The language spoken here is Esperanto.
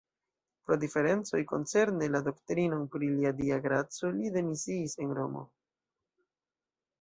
Pro diferencoj koncerne la doktrinon pri la Dia graco li demisiis en Romo.